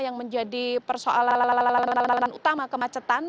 yang menjadi persoalan utama kemacetan